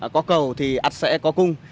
có cầu thì ắt sẽ có cung